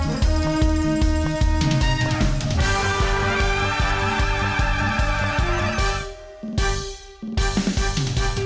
อะไรหรอ